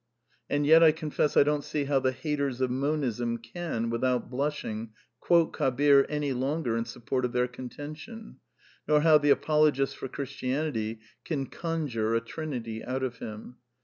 And yet I confess I don't see how the haters of Monism can, without blushing, quote Kabir any longer in support of their contention ; nor how the apolo gists for Christianity can conjure a Trinity out of him.